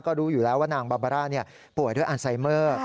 ก็รู้อยู่แล้วว่านางบาบาร่าป่วยด้วยอันไซเมอร์